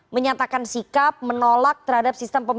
menyatakan sikap menolak terhadap sistem politik ini